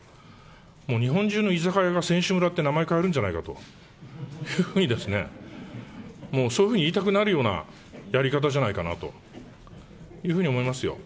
もう日本中の居酒屋が選手村って名前変えるんじゃないかっていうふうに、もうそういうふうに言いたくなるようなやり方じゃないかなというふうに思いますよ。